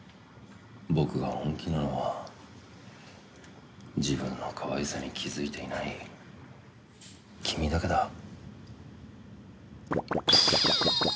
僕が本気なのは自分のかわいさに気づいていない君だけだ。